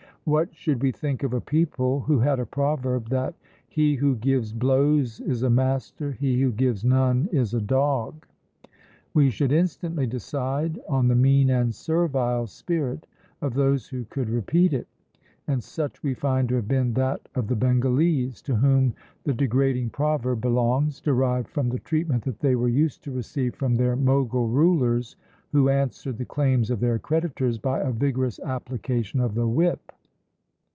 What should we think of a people who had a proverb, that "He who gives blows is a master, he who gives none is a dog?" We should instantly decide on the mean and servile spirit of those who could repeat it; and such we find to have been that of the Bengalese, to whom the degrading proverb belongs, derived from the treatment they were used to receive from their Mogul rulers, who answered the claims of their creditors by a vigorous application of the whip!